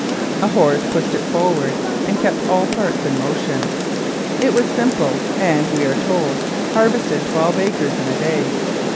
A horse pushed it forward and kept all parts in motion. It was simple, and, we are told, harvested twelve acres in a day.